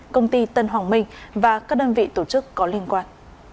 công ty tân hoàng minh và các đơn vị tổ chức có liên quan